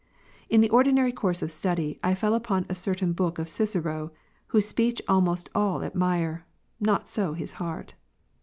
In the ordinary course of study, I fell upon a certain book of Cicero, whose speech almost all admire, not so his heart.